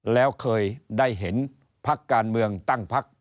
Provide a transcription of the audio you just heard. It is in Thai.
แล้วเคยได้เห็นภักดิ์การเมืองตั้งภักดิ์